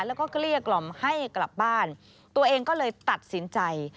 แล้วก็เกลี้ยกล่อมให้กลับบ้านตัวเองก็เลยตัดสินใจ